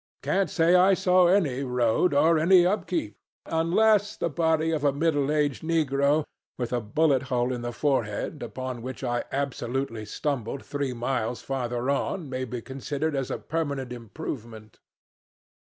Can't say I saw any road or any upkeep, unless the body of a middle aged negro, with a bullet hole in the forehead, upon which I absolutely stumbled three miles farther on, may be considered as a permanent improvement.